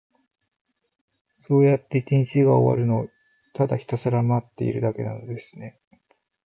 そうやって一日が終わるのを、ただひたすら待っているだけなのですね。